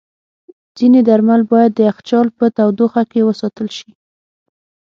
ځینې درمل باید د یخچال په تودوخه کې وساتل شي.